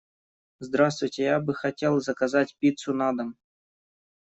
Здравствуйте, я бы хотел заказать пиццу на дом.